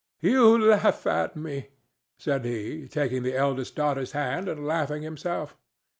"You laugh at me," said he, taking the eldest daughter's hand and laughing himself.